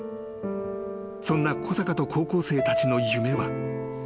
［そんな小坂と高校生たちの夢は］